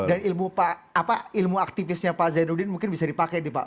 dan ilmu aktivisnya pak zainuddin mungkin bisa dipakai pak